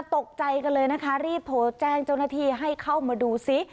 ตกใจกันเลยนะคะรีบโทรแจ้งเจ้าหน้าที่ให้เข้ามาดูซิ